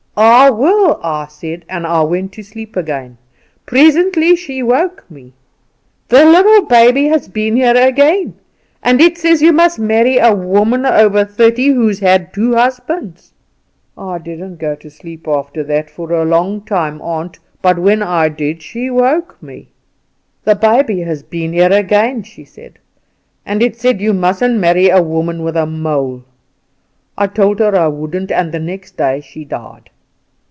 "'I will,' I said, and I went to sleep again. Presently she woke me. "'The little baby has been here again, and it says you must marry a woman over thirty, and who's had two husbands.' "I didn't go to sleep after that for a long time, aunt; but when I did she woke me. "'The baby has been here again,' she said, 'and it says you mustn't marry a woman with a mole.' I told her I wouldn't; and the next day she died."